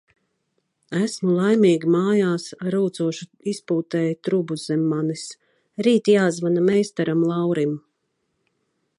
Esmu laimīgi mājās ar rūcošu izpūtēja trubu zem manis. Rīt jāzvana meistaram Laurim.